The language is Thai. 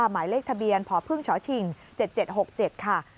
หมายเลขทะเบียนพพชชิง๗๗๖๗ค่ะ